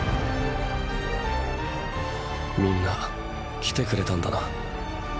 みんな来てくれたんだな。